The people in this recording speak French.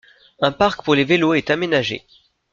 Un parc pour les vélos est aménagés.